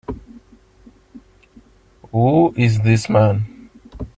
Who is this man?